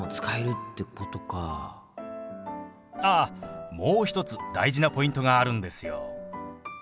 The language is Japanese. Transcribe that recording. あっもう一つ大事なポイントがあるんですよ。